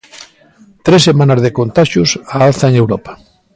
Tres semanas de contaxios á alza en Europa.